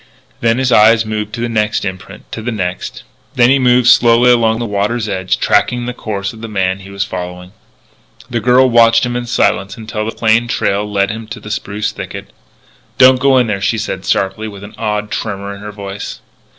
Then his eyes moved to the next imprint; to the next. Then he moved slowly along the water's edge, tracking the course of the man he was following. The girl watched him in silence until the plain trail led him to the spruce thicket. "Don't go in there!" she said sharply, with an odd tremor in her voice.